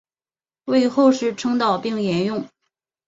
为后世称道并沿用。